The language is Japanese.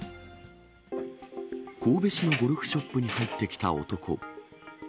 神戸市のゴルフショップに入ってきた男。